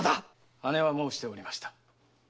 姉は申しておりました。